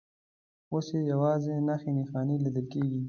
اوس یې یوازې نښې نښانې لیدل کېږي.